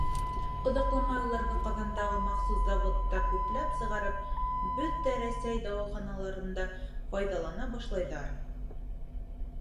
Оҙаҡламай уларҙы Ҡазандағы махсус заводта күпләп сығарып, бөтә Рәсәй дауаханаларында файҙалана башлайҙар...